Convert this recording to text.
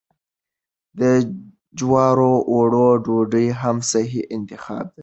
د جوارو اوړو ډوډۍ هم صحي انتخاب دی.